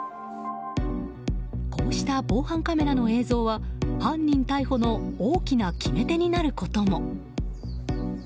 こうした防犯カメラの映像は犯人逮捕の大きな決め手になることも。